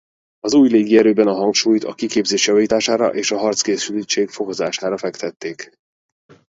Az új légierőben a hangsúlyt a kiképzés javítására és a harckészültség fokozására fektették.